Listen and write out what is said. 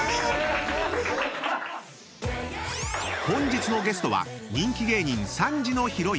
［本日のゲストは人気芸人］